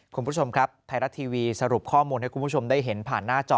คุณผู้ชมครับไทยรัฐทีวีสรุปข้อมูลให้คุณผู้ชมได้เห็นผ่านหน้าจอ